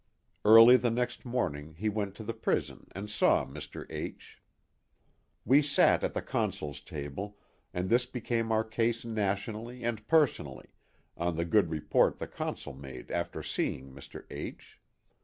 Early the next morning he went to the prison and saw Mr. H . We sat at the Consul's table, and this became our case nationally and personally, on the good report the Consul made after seeing Mr. H